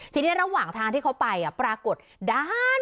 ทีนี้ระหว่างทางที่เขาไปปรากฏด้าน